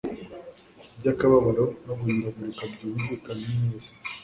Byakababaro no guhindagurika byumvikane neza